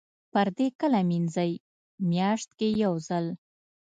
پردې کله مینځئ؟ میاشت کې یوځل